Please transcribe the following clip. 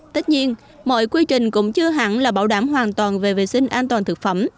tất nhiên mọi quy trình cũng chưa hẳn là bảo đảm hoàn toàn về vệ sinh an toàn thực phẩm